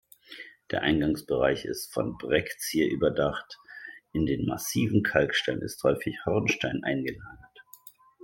Der Eingangsbereich ist von Brekzie überdacht; in den massiven Kalkstein ist häufig Hornstein eingelagert.